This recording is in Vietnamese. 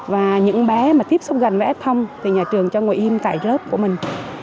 và những bé mà tiếp xúc gần với f thì nhà trường cho ngồi im tại lớp của mình